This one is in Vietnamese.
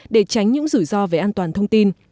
để tránh những rủi ro về an toàn thông tin